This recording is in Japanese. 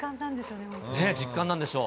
実感なんでしょう。